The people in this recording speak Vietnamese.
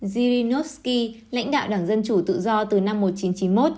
zirinovsky lãnh đạo đảng dân chủ tự do từ năm một nghìn chín trăm chín mươi một